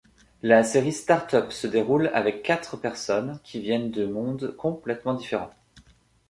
La série Start-Up se déroule avec quatre personnes qui viennent de monde complètement différent.